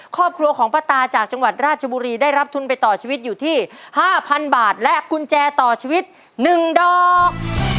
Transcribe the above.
ครอบครัวของป้าตาจากจังหวัดราชบุรีได้รับทุนไปต่อชีวิตอยู่ที่๕๐๐๐บาทและกุญแจต่อชีวิต๑ดอก